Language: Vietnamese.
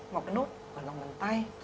một cái nốt ở lòng bàn tay